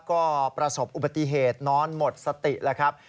ก็ประสบอุบัติเหตุนอนหมดสติแล้วครับ